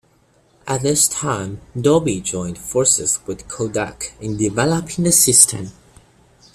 At this time Dolby joined forces with Kodak in developing this system.